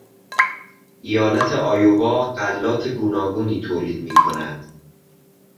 ایالت ایوا غلات گوناگونی تولید میکند.